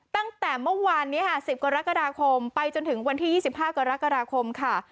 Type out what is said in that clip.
ตั้งแต่เมื่อวานนี้ค่ะ๑๐กรกฎาคมไปจนถึงวันที่๒๕กรกฎาคมค่ะ